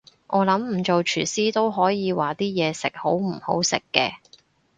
我諗唔做廚師都可以話啲嘢食好唔好食嘅